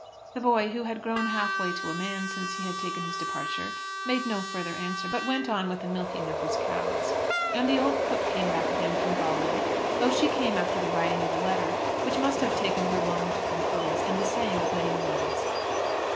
The boy, who had grown half way to a man since he had taken his departure, made no further answer, but went on with the milking of his cows. And the old cook came back again from Galway, though she came after the writing of a letter which must have taken her long to compose, and the saying of many words.